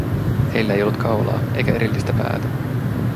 Heillä ei ollut kaulaa eikä erillistä päätä.